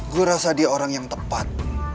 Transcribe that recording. gue rasa dia orang yang tepat